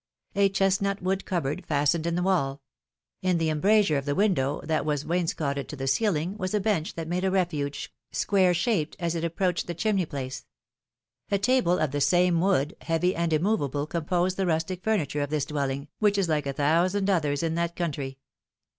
A chestnut wood cupboard fastened in the wall; in the embrasure of the window, that was wainscoted to the ceiling, was a bench that made a refuge, square shaped, as it approached the chimney place; a table of the same wood, heavy and immovable, composed the rustic furniture of this dwelling, which is like a thousand others in that country.